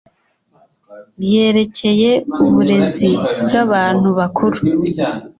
byerekeye uburezi bw abantu bakuru